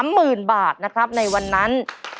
หมื่นบาทนะครับในวันนั้น